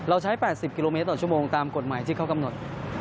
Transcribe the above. ใช้๘๐กิโลเมตรต่อชั่วโมงตามกฎหมายที่เขากำหนด